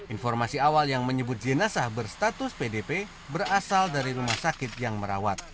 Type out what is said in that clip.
informasi awal yang menyebut jenazah berstatus pdp berasal dari rumah sakit yang merawat